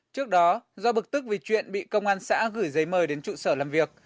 trước đó do bực tức vì chuyện bị công an xã gửi giấy mời đến trụ sở làm việc